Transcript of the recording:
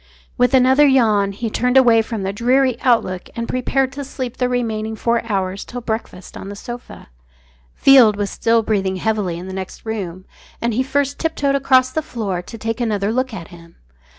With another yawn he turned away from the dreary outlook and prepared to sleep the remaining four hours till breakfast on the sofa. Field was still breathing heavily in the next room, and he first tip toed across the floor to take another look at him.